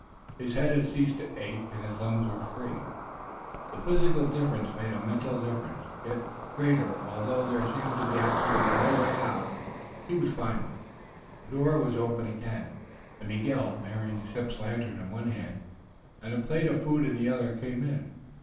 His head had ceased to ache and his limbs were free. The physical difference made a mental difference yet greater. Although there seemed to be absolutely no way out, he would find one. The door was opened again, and Miguel, bearing the ship's lantern in one hand and a plate of food in the other, came in.